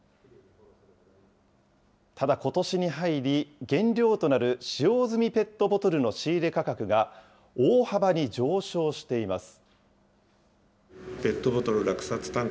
ただ、ことしに入り、原料となる使用済みペットボトルの仕入れ価格が大幅に上昇しています。